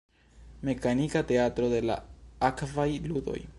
Mekanika teatro de la Akvaj Ludoj.